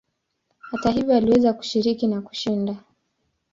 Hata hivyo aliweza kushiriki na kushinda.